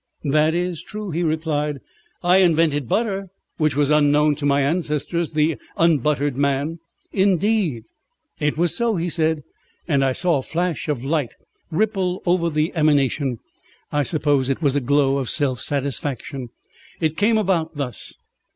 "That is true," he replied. "I invented butter, which was unknown to my ancestors, the unbuttered man." "Indeed!" "It was so," he said, and I saw a flush of light ripple over the emanation. I suppose it was a glow of self satisfaction. "It came about thus.